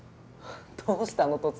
どうしたの？